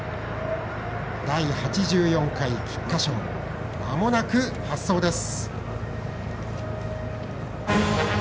第８４回菊花賞まもなく発走です。